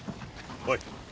おい。